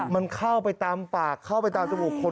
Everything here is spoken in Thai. มันเข้าไปตามปากเข้าไปตามจมูกคน